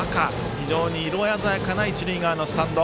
非常に色鮮やかな一塁側のスタンド。